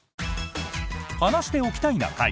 「話しておきたいな会」。